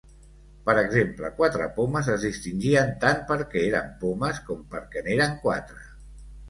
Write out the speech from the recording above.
Per exemple, quatre pomes es distingien tant perquè eren pomes com perquè n’eren quatre.